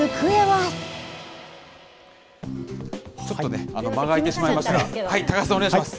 ちょっとね、間があいてしまいましたが、高橋さんお願いします。